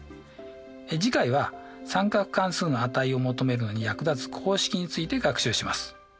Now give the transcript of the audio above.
次回は三角関数の値を求めるのに役立つ公式について学習します。